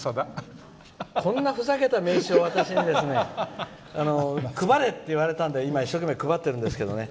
こんなふざけた名刺を私に配れといわれたので今、一生懸命配っているんですけどね。